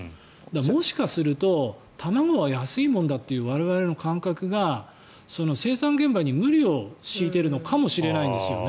もしかすると卵は安いものだっていう我々の感覚が生産現場に無理を強いているのかもしれないんですよね。